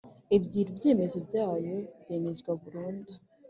ebyeri Ibyemezo byayo byemezwa burundu